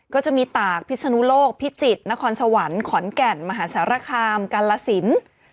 ก็จะมีตากพิศนุโลกพิจิตรนครสวรรค์ขอนแก่นมหาสารคามกาลสิน